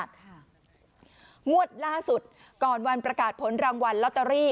งวดล่าสุดก่อนวันประกาศผลรางวัลลอตเตอรี่